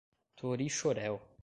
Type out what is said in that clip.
Torixoréu